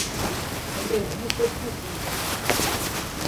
Entrevista exclusiva